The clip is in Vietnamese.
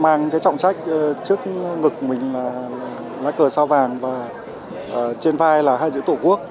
mang cái trọng trách trước ngực mình là lá cờ sao vàng và trên vai là hai chữ tổ quốc